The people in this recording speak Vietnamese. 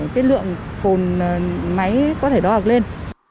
cái lượng cồn máy có thể đo hoặc lên